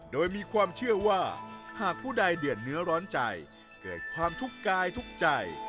โดยมีความเชื่อว่าหากผู้ใดเดือดเนื้อร้อนใจเกิดความทุกข์กายทุกข์ใจ